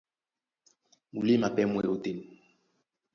Muléma pɛ́ mú e ótên.